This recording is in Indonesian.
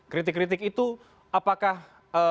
kritik kritik itu apakah ee